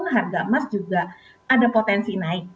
harga emas juga ada potensi naik